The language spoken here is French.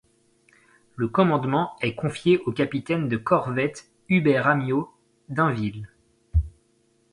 Le commandement est confié au capitaine de corvette Hubert Amyot d'Inville.